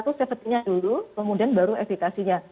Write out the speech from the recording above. tentu satu tujuh belas nya dulu kemudian baru efekasinya